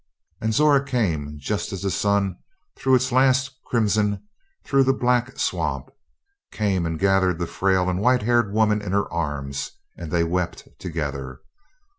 And Zora came just as the sun threw its last crimson through the black swamp; came and gathered the frail and white haired woman in her arms; and they wept together.